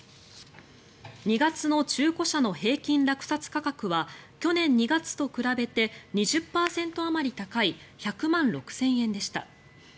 ２月の中古車の平均落札価格は去年２月と比べて２０％あまり高い１００万６０００円でした。